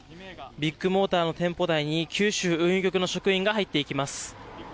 ビッグモーターの店舗内に九州運輸局の職員が入っていきます。